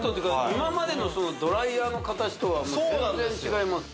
今までのドライヤーの形とは全然違います